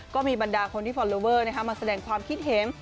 ก็มีบรรดาคนที่ฟอลเลอเวอร์นะคะเมื่อแสดงความเข็ม